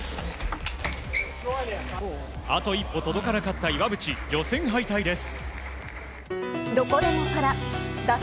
あと一歩届かなかった岩渕予選敗退です。